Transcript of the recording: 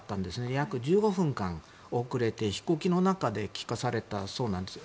約１５分間、遅れて飛行機の中で聞かされたそうなんです。